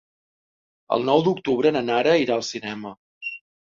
El nou d'octubre na Nara irà al cinema.